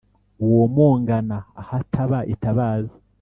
womongana ahataba itabaza